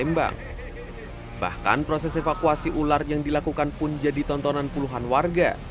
lembang bahkan proses evakuasi ular yang dilakukan pun jadi tontonan puluhan warga